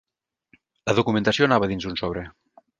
La documentació anava dins d'un sobre.